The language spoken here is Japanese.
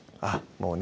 もうね